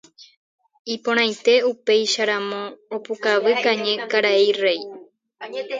Iporãite upéicharamo opukavy kañy karai Réi.